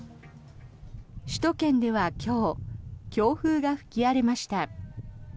首都圏では今日強風が吹き荒れました。